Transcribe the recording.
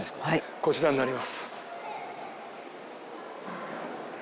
こちらになります。